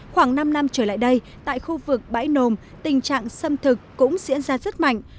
khoảng năm năm trở lại đây tại khu vực bãi nồm tình trạng xâm thực cũng diễn ra rất mạnh